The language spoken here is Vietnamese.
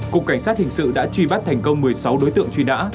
cục cảnh sát hình sự đã truy bắt thành công một mươi sáu đối tượng truy nã